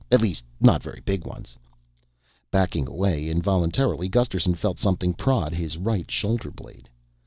at least not very big ones...." Backing away involuntarily, Gusterson felt something prod his right shoulderblade.